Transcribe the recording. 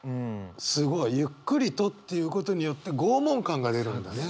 すごい「ゆっくりと」って言うことによって拷問感が出るんだね。